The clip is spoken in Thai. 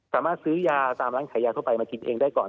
สามารถซื้อยาตามร้านขายยาทั่วไปมากินเองได้ก่อน